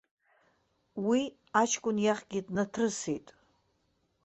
Уи аҷкәын иахьгьы днаҭрысит.